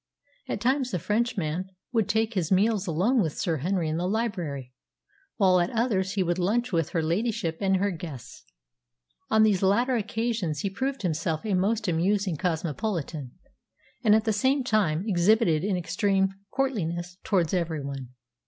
At times the Frenchman would take his meals alone with Sir Henry in the library, while at others he would lunch with her ladyship and her guests. On these latter occasions he proved himself a most amusing cosmopolitan, and at the same time exhibited an extreme courtliness towards every one.